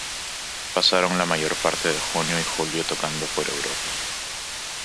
Pasaron la mayor parte de junio y julio tocando por Europa.